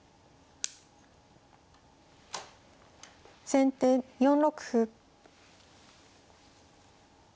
先手４六歩。